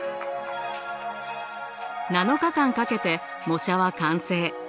７日間かけて模写は完成。